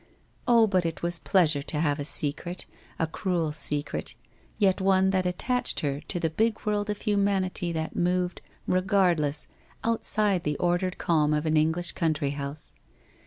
Oh, but it was pleasure to have a secret, a cruel secret, yet one that attached her to the big world of humanity that moved, regardless, outside the ordered calm of an English country house.